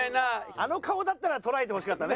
あの顔だったら捉えてほしかったね。